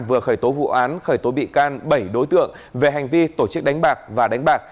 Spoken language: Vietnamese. vừa khởi tố vụ án khởi tố bị can bảy đối tượng về hành vi tổ chức đánh bạc và đánh bạc